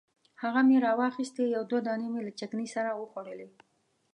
هغه مې راواخیستې یو دوه دانې مې له چکني سره وخوړلې.